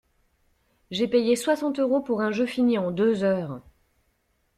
J'ai payé soixante euros pour un jeu fini en deux heures.